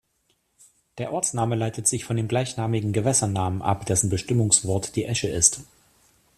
Der Ortsname leitet sich von dem gleichnamigen Gewässernamen ab, dessen Bestimmungswort die Esche ist.